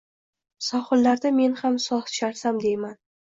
Sohillarda men ham soz chalsam, deyman.